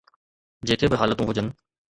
جيڪي به حالتون هجن.